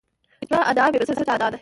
د اجماع ادعا بې بنسټه ادعا ده